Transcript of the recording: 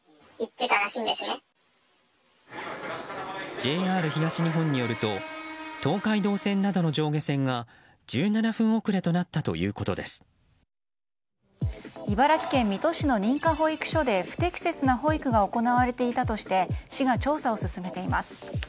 ＪＲ東日本によると東海道線などの上下線が１７分遅れとなった茨城県水戸市の認可保育所で不適切な保育が行われていたとして市が調査を進めています。